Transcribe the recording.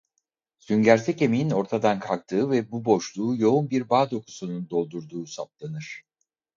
Süngersi kemiğin ortadan kalktığı ve bu boşluğu yoğun bir bağ dokusunun doldurduğu saptanır.